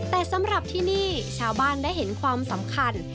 แต่สำหรับที่นี่ชาวบ้านได้เห็นความสำคัญ